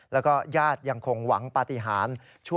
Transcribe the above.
แล้วก็ญาติยังคงหวังปฏิหาร